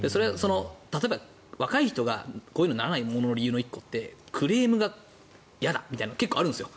例えば若い人がこういうものにならない理由の１個ってクレームが嫌だというのは結構あるんですよ。